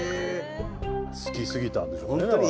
好きすぎたんでしょうねだから。